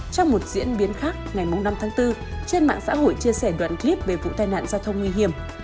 trong một diễn biến khác ngày năm tháng bốn trên mạng xã hội chia sẻ đoạn clip về vụ tai nạn giao thông nguy hiểm